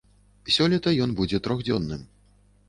Сёлета ён будзе трохдзённым.